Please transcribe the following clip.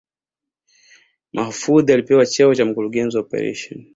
Mahfoudhi alipewa cheo cha Mkurugenzi wa Operesheni